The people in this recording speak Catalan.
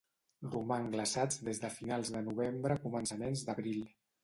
Roman glaçats des de finals de novembre a començaments d'abril.